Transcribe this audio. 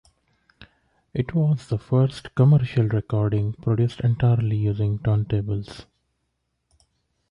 It was the first commercial recording produced entirely using turntables.